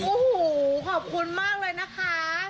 โอ้โหขอบคุณมากเลยนะคะ